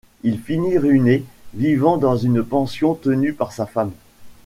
Il finit ruiné, vivant dans une pension tenue par sa femme.